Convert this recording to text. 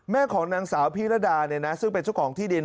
แม่ของนางสาวพิรดะซึ่งเป็นชุกองที่ดิน